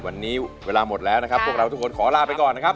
วันนี้เวลาหมดแล้วนะครับพวกเราทุกคนขอลาไปก่อนนะครับ